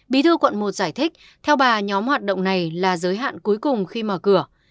bí thư quận một giải thích theo bà nhóm hoạt động này là giới hạn cuối cùng khi mở cửa